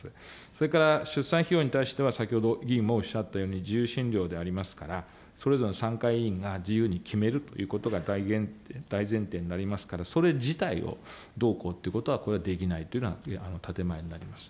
それから出産費用に対しては、先ほど議員もおっしゃったように、自由診療でありますから、それぞれの産科医院が自由に決めるということが大前提になりますから、それ自体をどうこうっていうことは、これはできないというのは、建前になります。